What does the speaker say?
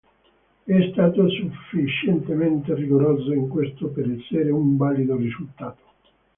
È stato sufficientemente rigoroso in questo per essere un valido risultato.